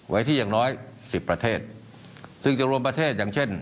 ไว้ที่อย่างน้อยสิบประเทศซึ่งจะรวมประเทศอย่างเช่น